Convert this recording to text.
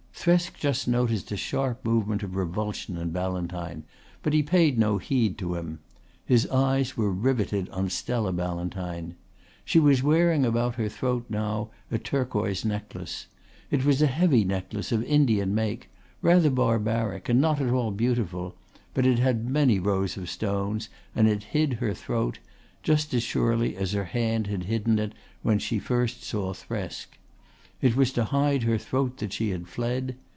Thresk just noticed a sharp movement of revulsion in Ballantyne, but he paid no heed to him. His eyes were riveted on Stella Ballantyne. She was wearing about her throat now a turquoise necklace. It was a heavy necklace of Indian make, rather barbaric and not at all beautiful, but it had many rows of stones and it hid her throat just as surely as her hand had hidden it when she first saw Thresk. It was to hide her throat that she had fled.